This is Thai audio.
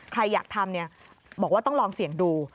ใครอยากทำบอกว่าต้องลองเสี่ยงดู